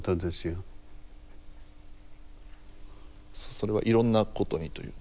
それはいろんなことにというか。